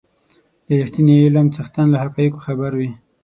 د رښتيني علم څښتن له حقایقو خبر وي.